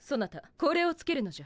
これをつけるのじゃ。